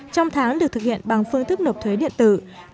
trong tháng được thực hiện bằng phương thức nộp thuế điện tử